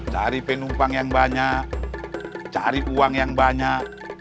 cari penumpang yang banyak cari uang yang banyak